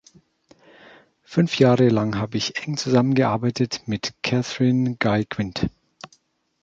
Fünf Jahre lang habe ich eng zusammengearbeitet mit Catherine Guy-Quint.